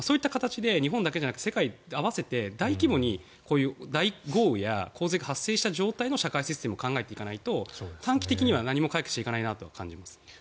日本だけじゃなくて世界も合わせて大規模にこういう大豪雨や洪水が発生した状態の社会システムを考えていかないと短期的には何も解決していかないなと感じます。